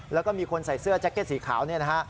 แล้วก็มีคนใส่เสื้อแจ็คเก็ตสีขาวเนี่ยนะฮะ